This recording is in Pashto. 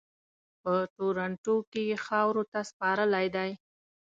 په ټورنټو کې یې خاورو ته سپارلی دی.